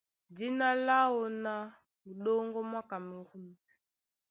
Dína láō ná Muɗóŋgó mwá Kamerûn.